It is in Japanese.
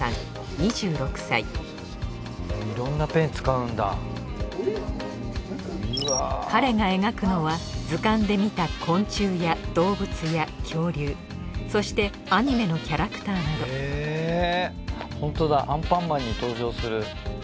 ２６歳彼が描くのは図鑑で見た昆虫や動物や恐竜そしてアニメのキャラクターなどホントだ「アンパンマン」に登場する。